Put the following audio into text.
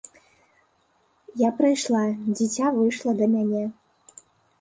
Я прыйшла, дзіця выйшла да мяне.